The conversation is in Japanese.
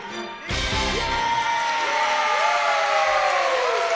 イエーイ！